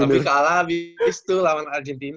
tapi kalah abis itu lawan argentina